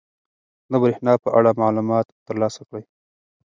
د بریښنا په اړه معلومات ترلاسه کړئ.